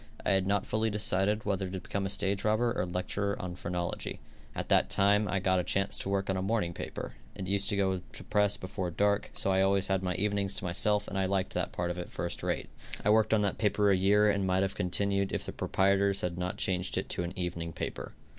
I had not fully decided whether to become a stage robber or a lecturer on phrenology. At that time I got a chance to work on a morning paper. It used to go to press before dark, so I always had my evenings to myself and I liked that part of it first rate. I worked on that paper a year and might have continued if the proprietors had not changed it to an evening paper.